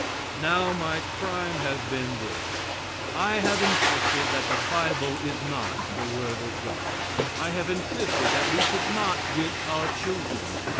Now, my crime has been this: I have insisted that the Bible is not the word of God. I have insisted that we should not whip our children.